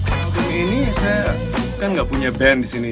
album ini saya kan gak punya band disini